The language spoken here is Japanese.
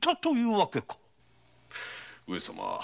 上様。